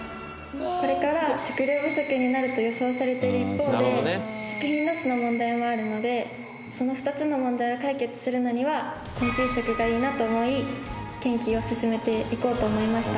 これから食料不足になると予想されている一方で食品ロスの問題もあるのでその２つの問題を解決するのには昆虫食がいいなと思い研究を進めていこうと思いました。